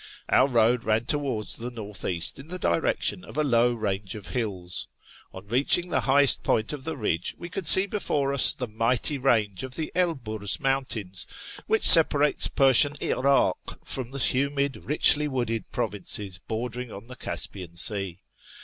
Our road ran towards the north east in the direction of a low range of hills. On reaching the highest point of the ridge we could see before us the mighty range of the Elburz mountains, which separates Persian 'Irak from the humid, richly wooded provinces bordering on the Caspian Sea.